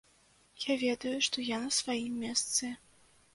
Я ведаю, што я на сваім месцы.